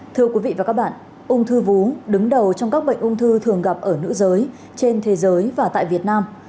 thưa quý vị và các bạn ung thư vú đứng đầu trong các bệnh ung thư thường gặp ở nữ giới trên thế giới và tại việt nam